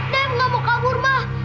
dem gak mau kabur ma